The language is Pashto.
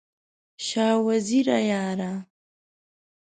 شاه وزیره یاره!